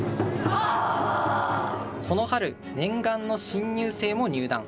この春、念願の新入生も入団。